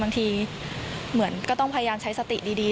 บางทีเหมือนก็ต้องพยายามใช้สติดี